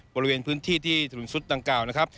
บริเวณพื้นที่ที่ถนนซุดดังกล่าวนะครับ